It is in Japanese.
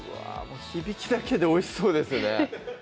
もう響きだけでおいしそうですね